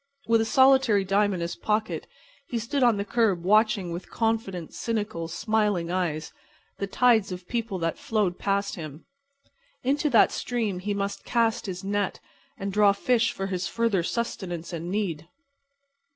With a solitary dime in his pocket, he stood on the curb watching with confident, cynical, smiling eyes the tides of people that flowed past him. Into that stream he must cast his net and draw fish for his further sustenance and need.